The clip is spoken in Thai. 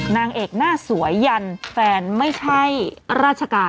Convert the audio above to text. นางเอกหน้าสวยยันแฟนไม่ใช่ราชการ